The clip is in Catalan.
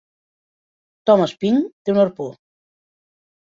Tom Spink té un arpó.